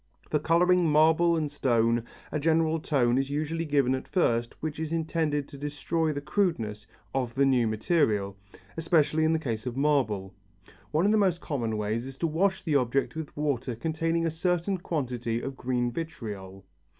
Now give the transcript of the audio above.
For colouring marble and stone, a general tone is usually given at first which is intended to destroy the crudeness of the new material, especially in the case of marble. One of the most common ways is to wash the object with water containing a certain quantity of green vitriol.